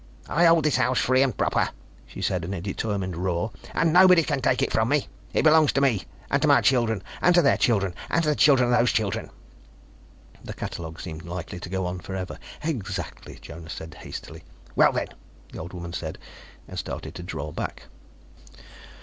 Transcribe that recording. "I hold this house free and proper," she said in a determined roar, "and nobody can take it from me. It belongs to me, and to my children, and to their children, and to the children of those children " The catalogue seemed likely to go on forever. "Exactly," Jonas said hastily. "Well, then," the old woman said, and started to draw back.